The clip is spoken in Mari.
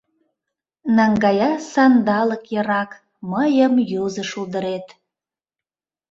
Наҥгая сандалык йырак Мыйым юзо шулдырет…